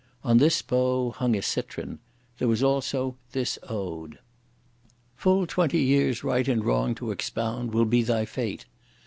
On this bow hung a citron. There was also this ode: Full twenty years right and wrong to expound will be thy fate!